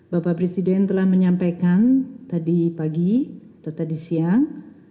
bapak presiden telah menyampaikan tadi pagi atau tadi siang